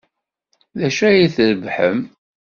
D acu ay d-trebḥem?